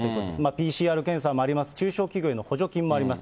ＰＣＲ検査もあります、中小企業への補助金もあります。